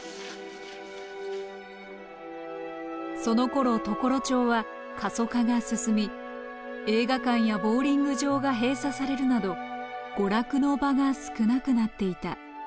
そのころ常呂町は過疎化が進み映画館やボウリング場が閉鎖されるなど娯楽の場が少なくなっていた。